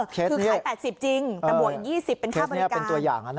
คือขาย๘๐จริงแต่บ่วน๒๐เป็นค่าบริการเคสนี้เป็นตัวอย่าง